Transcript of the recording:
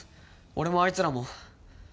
俺もあいつらも。